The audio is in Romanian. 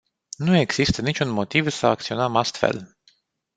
Nu există niciun motiv să acționăm astfel.